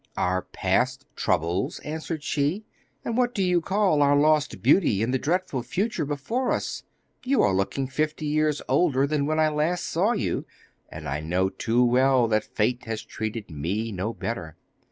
'Our past troubles!' answered she, 'and what do you call our lost beauty and the dreadful future before us? You are looking fifty years older than when I saw you last, and I know too well that fate has treated me no better!